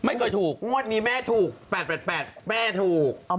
ไม่เคยถูกงวดนี้แม่ถูก๘๘แม่ถูก